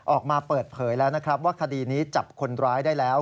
ออกมาเปิดเผยแล้วนะครับว่าคดีนี้จับคนร้ายได้แล้ว